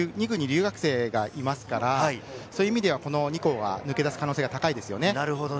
２区に留学生がいますから、そういう意味ではこの２校は抜け出す可能性が高いですね。